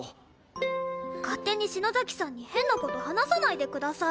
勝手に篠崎さんに変な事話さないでください。